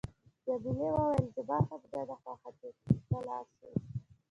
جميلې وويل: زما هم نه ده خوښه چې ته لاړ شې.